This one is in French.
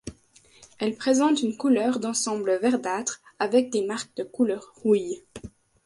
Elle présente une couleur d'ensemble verdâtre avec des marques de couleur rouille.